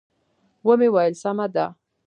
و مې ویل: سمه ده.